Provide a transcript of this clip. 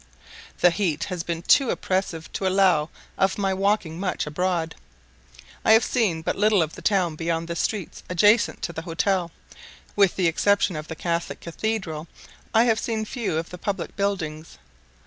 The heat has been too oppressive to allow of my walking much abroad. I have seen but little of the town beyond the streets adjacent to the hotel: with the exception of the Catholic Cathedral, I have seen few of the public buildings.